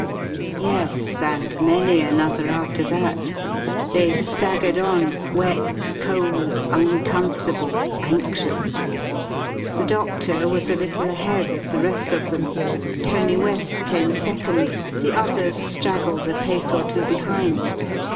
Yes, and many another after that. They staggered on, wet, cold, uncomfortable, anxious. The doctor was a little ahead of the rest of them, Tony West came second, the others straggled a pace or two behind.